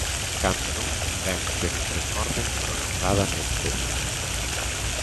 Cando non convén que nos recorden prolongadamente.